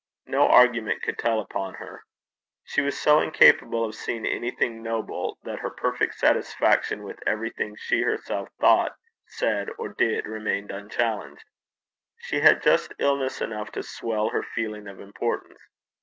No argument could tell upon her. She was so incapable of seeing anything noble that her perfect satisfaction with everything she herself thought, said, or did, remained unchallenged. She had just illness enough to swell her feeling of importance.